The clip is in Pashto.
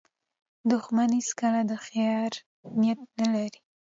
دښمن هیڅکله د خیر نیت نه لري